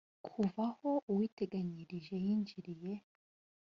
kuva aho uwiteganyirije yinjiriye